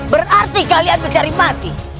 berarti kalian mencari mati